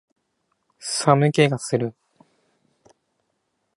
寒気がする